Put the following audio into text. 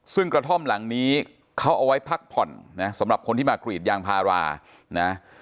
ซึ่งกระท่อมหลังนี้เขาเอาไว้พักผ่อนนะสำหรับคนที่มากรีดยางพารานะ